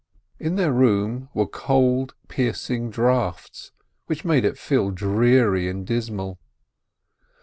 In their room were cold, piercing draughts, which made it feel dreary and dismal.